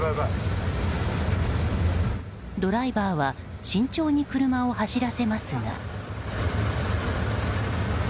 ドライバーは、慎重に車を走らせますが。